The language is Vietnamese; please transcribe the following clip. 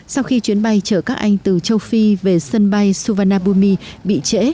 sau khi chuyến bay chở các anh từ châu phi về sân bay suvarnabhumi bị trễ